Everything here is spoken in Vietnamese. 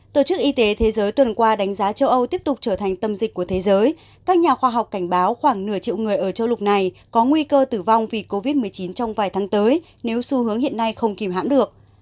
tổ chức y tế thế giới tuần qua đánh giá châu âu tiếp tục trở thành tâm dịch của thế giới các nhà khoa học cảnh báo khoảng nửa triệu người ở châu lục này có nguy cơ tử vong vì covid một mươi chín trong vài tháng tới nếu xu hướng hiện nay không kìm hãm được